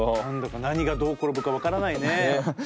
何だか何がどう転ぶか分からないね。